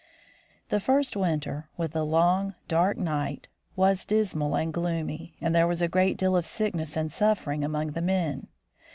The first winter, with the long, dark night, was dismal and gloomy, and there was a great deal of sickness and suffering among the men.